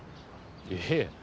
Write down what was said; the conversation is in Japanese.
いえ。